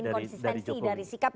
ada inkonsistensi dari sikapnya